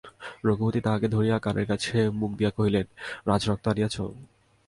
রঘুপতি তাঁহাকে ধরিয়া কানের কাছে মুখ দিয়া কহিলেন, রাজরক্ত আনিয়াছ?